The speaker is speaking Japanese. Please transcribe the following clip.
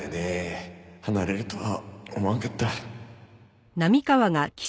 離れるとは思わんかった。